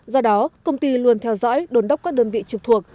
do đó công ty luôn theo dõi đồn đốc các đơn vị trực thuộc